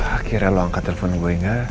akhirnya lu angkat telepon gue nga